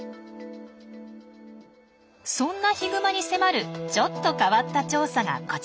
そんなヒグマに迫るちょっと変わった調査がこちら。